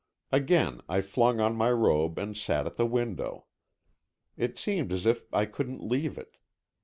Again I flung on my robe and sat at the window. It seemed as if I couldn't leave it.